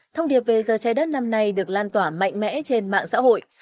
thông điệp về giờ trái đất năm nay được lan tỏa mạnh mẽ trên mạng xã hội